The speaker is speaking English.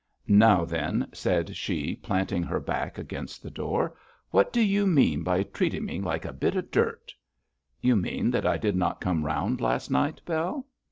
'Now, then,' said she, planting her back against the door, 'what do you mean by treating me like a bit of dirt?' 'You mean that I did not come round last night, Bell?'